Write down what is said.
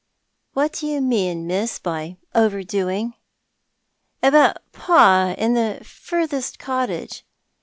" What do you mean. Miss, by overdoing? " "About pa and the furthest cottage.